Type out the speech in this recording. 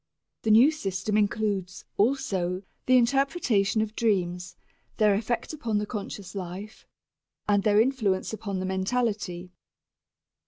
The new system includes, also, the interpretation of dreams, their effect upon the conscious life and their influence upon the mentality.